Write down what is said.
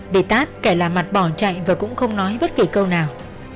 bị tát kẻ lạ mặt bỏ chạy và cũng không nói bất kỳ câu nào